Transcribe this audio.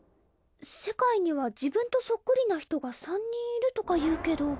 世界には自分とそっくりな人が３人いるとかいうけど。